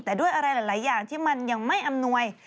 แต่ด้วยอะไรหลายอย่างที่มันยังไม่อำนวย